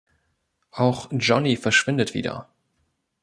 Auch Johnny verschwindet wieder.